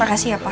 makasih ya pak